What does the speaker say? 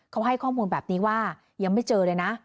เขาให้ข้อมูลแบบนี้ว่ายังไม่เจอเลยนะ